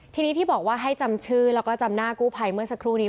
ทีนี้ที่บอกว่าให้จำชื่อแล้วก็จำหน้ากู้ภัยเมื่อสักครู่นี้